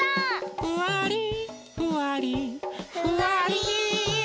「ふわりふわりふわり」